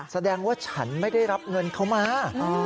แสดงว่าฉันไม่ได้รับเงินเขามา